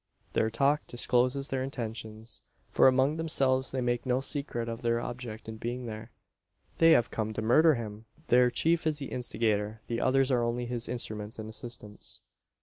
Their talk discloses their intentions: for among themselves they make no secret of their object in being there. They have come to murder him! Their chief is the instigator; the others are only his instruments and assistants.